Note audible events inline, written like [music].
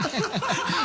ハハハ [laughs]